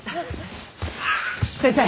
先生！